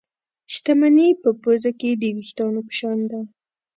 شتمني په پوزه کې د وېښتانو په شان ده.